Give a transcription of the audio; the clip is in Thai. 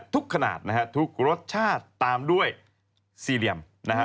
ขนาดนะฮะทุกรสชาติตามด้วยสี่เหลี่ยมนะฮะ